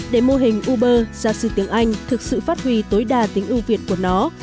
để mô hình uber giáo sư tiếng anh thực sự phát huy tối đa tính ưu việt của nó